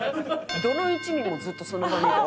どの一味もずっとその場にいて。